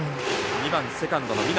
２番セカンド、南。